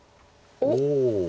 おっ！